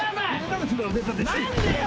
何でよ！